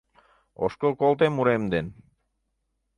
Ошкыл колтем урем ден –